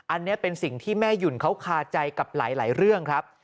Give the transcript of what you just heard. อันนี้เป็นสิ่งที่แม่หยุ่นเขาคาใจกับหลายเรื่องครับ